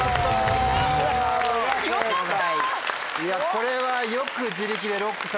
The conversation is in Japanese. これは。